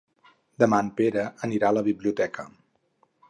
Demà en Pere anirà a la biblioteca.